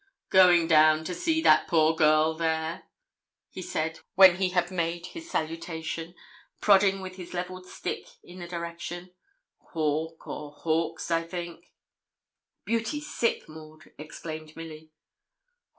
'Going down to see that poor girl there?' he said, when he had made his salutation, prodding with his levelled stick in the direction. 'Hawke, or Hawkes, I think.' 'Beauty's sick, Maud,' exclaimed Milly.